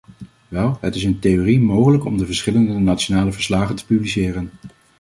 Wel, het is in theorie mogelijk om de verschillende nationale verslagen te publiceren.